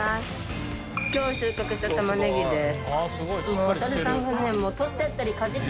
今日収穫した玉ねぎです。